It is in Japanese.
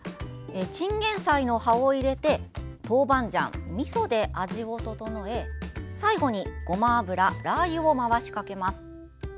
チンゲンサイの葉を入れてトウバンジャン、みそで味を調え最後にごま油、ラー油を回しかけます。